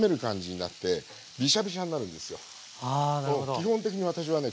基本的に私はね